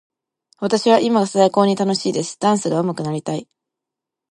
私は今が最高に楽しいです。ダンスがうまくなりたい。